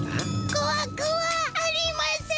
こわくはありません。